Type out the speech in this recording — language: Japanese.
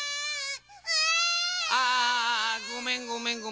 あああごめんごめんごめん。